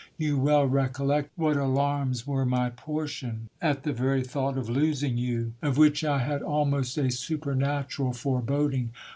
You well recollect what alarms were my portion at the very thcught of losing you, of which I had almost a supernatural foreboding.